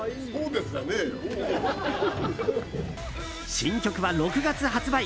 新曲は６月発売。